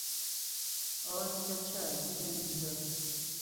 آی کچل بیا اینجا!